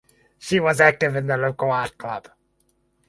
She was active in the local art club.